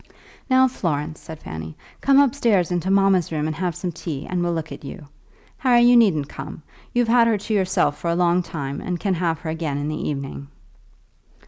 "Now, Florence," said Fanny, "come upstairs into mamma's room and have some tea, and we'll look at you. Harry, you needn't come. You've had her to yourself for a long time, and can have her again in the evening."